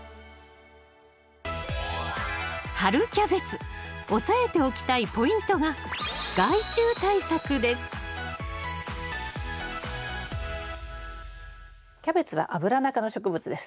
春キャベツ押さえておきたいポイントがキャベツはアブラナ科の植物です。